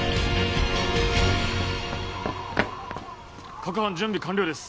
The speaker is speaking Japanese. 各班準備完了です。